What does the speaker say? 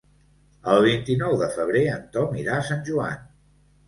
El vint-i-nou de febrer en Tom irà a Sant Joan.